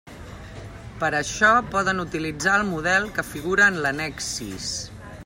Per a això, poden utilitzar el model que figura en l'annex sis.